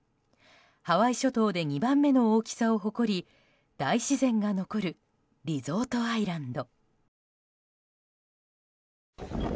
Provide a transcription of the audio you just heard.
ハワイ諸島で２番目の大きさを誇り大自然が残るリゾートアイランド。